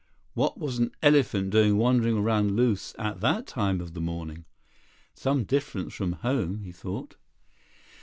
What was an elephant doing wandering around loose at that time of the morning? "Some difference from home," he thought.